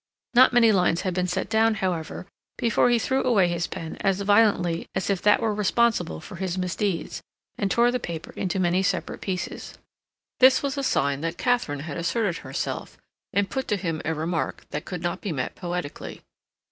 Not many lines had been set down, however, before he threw away his pen as violently as if that were responsible for his misdeeds, and tore the paper into many separate pieces. This was a sign that Katharine had asserted herself and put to him a remark that could not be met poetically.